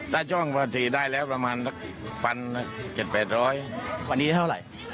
ถ้าช่วงปกติได้แล้วประมาณสักพันสักเจ็ดแปดร้อยวันนี้เท่าไหร่